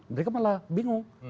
mereka malah bingung